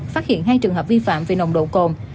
phát hiện hai trường hợp vi phạm về nồng độ cồn